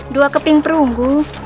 dua keping perunggu